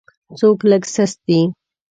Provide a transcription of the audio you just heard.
څوک لږ سست دی.